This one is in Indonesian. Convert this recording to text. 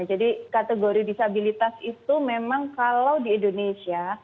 jadi kategori disabilitas itu memang kalau di indonesia